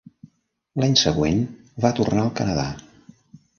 L'any següent va tornar al Canadà.